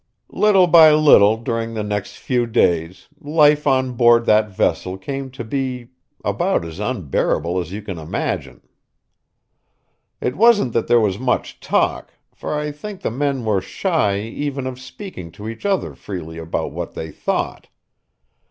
Little by little during the next few days life on board that vessel came to be about as unbearable as you can imagine. It wasn't that there was much talk, for I think the men were shy even of speaking to each other freely about what they thought.